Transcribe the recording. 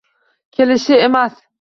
Kelishi emas…